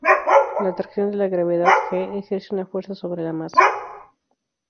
La atracción de la gravedad "g" ejerce una fuerza sobre la masa.